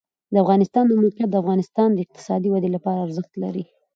د افغانستان د موقعیت د افغانستان د اقتصادي ودې لپاره ارزښت لري.